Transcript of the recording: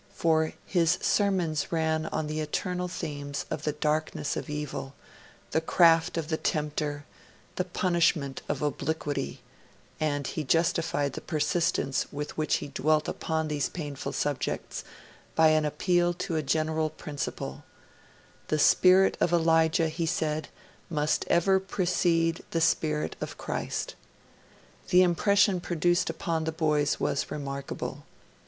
For his sermons ran on the eternal themes of the darkness of evil, the craft of the tempter, the punishment of obliquity, and he justified the persistence with which he dwelt upon these painful subjects by an appeal to a general principle: 'The spirit of Elijah,' he said, 'must ever precede the spirit of Christ.' The impression produced upon the boys was remarkable.